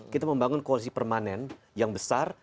kita membangun koalisi permanen yang besar